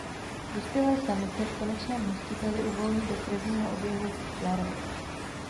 Dospělé samice v konečném hostiteli uvolní do krevního oběhu larvy.